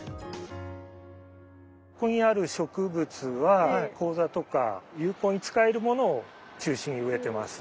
ここにある植物は講座とか有効に使えるものを中心に植えてます。